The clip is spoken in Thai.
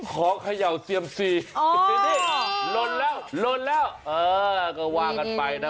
ขอเขย่าเซียมสี่นี่ลนแล้วเออก็วางกันไปนะ